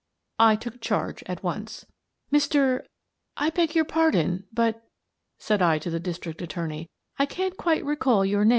I took charge at once. "Mr. — I beg your pardon, but," said I to the district attorney, "I can't quite recall your name."